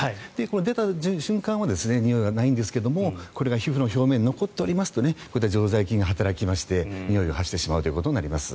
出た瞬間はにおいがないんですがこれが皮膚の表面に残っていますと常在菌が働きましてにおいを発してしまうということになります。